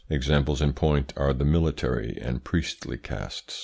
Examples in point are the military and priestly castes.